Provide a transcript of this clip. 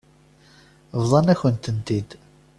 Bḍan-akent-tent-id.